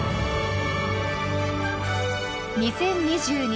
２０２２